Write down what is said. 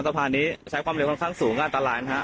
สะพานนี้ใช้ความเร็วค่อนข้างสูงก็อันตรายนะฮะ